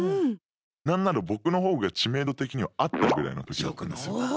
何なら僕の方が知名度的にはあったぐらいの時だったんですよ。